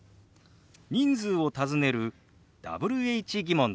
人数を尋ねるＷｈ−疑問です。